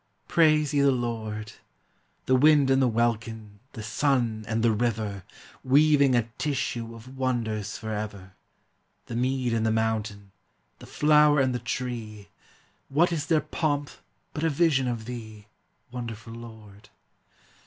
Praise ye the Lord! The wind and the welkin, the sun and the river, Weaving a tissue of wonders forever; The mead and the mountain, the flower and the tree, What is their pomp, but a vision of thee, Wonderful Lord?